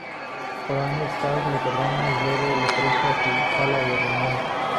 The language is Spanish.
Coronel Stars le perdona y luego les presenta su "sala de reuniones".